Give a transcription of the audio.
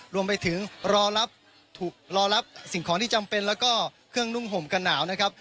รวมไปถึงรอรับรอรับสิ่งของที่จำเป็นแล้วก็เครื่องนุ่งห่มกระหนาวนะครับ